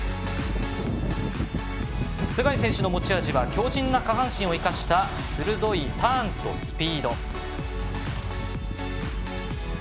須貝選手の持ち味は強じんの下半身を生かした鋭いターンとスピード。